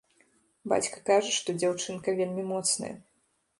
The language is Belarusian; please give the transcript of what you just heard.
Бацька кажа, што дзяўчынка вельмі моцная.